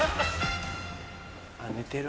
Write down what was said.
寝てる。